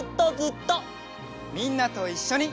みんなといっしょに。